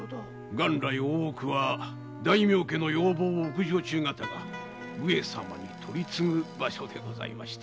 元来大奥は大名家の要望を奥女中がたが上様に取り次ぐ場所でございました。